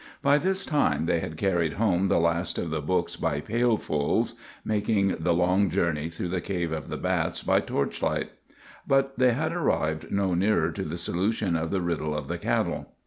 By this time they had carried home the last of the books by pailfuls, making the long journey through the cave of the bats by torch light; but they had arrived no nearer to the solution of the riddle of the cattle.